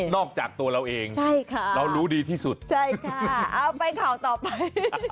อกจากตัวเราเองใช่ค่ะเรารู้ดีที่สุดใช่ค่ะเอาไปข่าวต่อไป